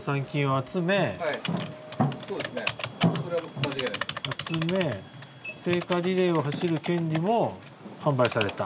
「集め聖火リレーを走る権利も販売された」。